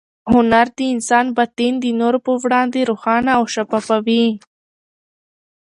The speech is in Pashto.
هنر د انسان باطن د نورو په وړاندې روښانه او شفافوي.